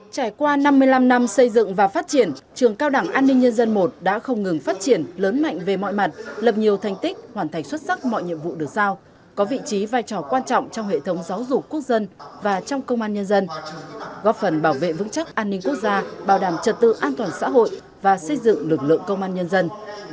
trải qua năm mươi năm năm xây dựng và phát triển trường cao đảng an ninh nhân dân i đã không ngừng phát triển lớn mạnh về mọi mặt lập nhiều thành tích hoàn thành xuất sắc mọi nhiệm vụ được giao có vị trí vai trò quan trọng trong hệ thống giáo dục quốc dân và trong công an nhân dân góp phần bảo vệ vững chắc an ninh quốc gia bảo đảm trật tự an toàn xã hội và xây dựng lực lượng công an nhân dân